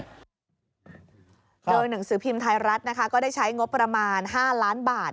โดยหนังสือพิมพ์ไทยรัฐนะคะก็ได้ใช้งบประมาณ๕ล้านบาท